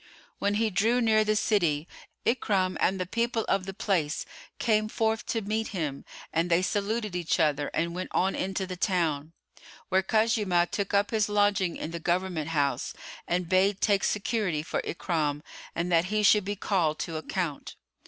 When he drew near the city, Ikrimah and the people of the place came forth to meet him and they saluted each other and went on into the town, where Khuzaymah took up his lodging in the Government house and bade take security for Ikrimah and that he should be called to account.